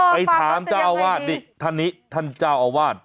ไปถามเจ้าอาวาสนี่ท่านนี้ท่านเจ้าอาวาส